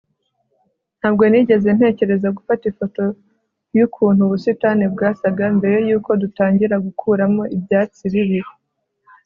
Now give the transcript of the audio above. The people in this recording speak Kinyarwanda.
Ntabwo nigeze ntekereza gufata ifoto yukuntu ubusitani bwasaga mbere yuko dutangira gukuramo ibyatsi bibi